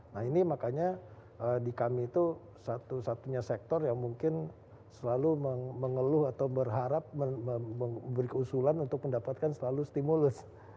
nah ini makanya di kami itu satu satunya sektor yang mungkin selalu mengeluh atau berharap memberi keusulan untuk mendapatkan selalu stimulus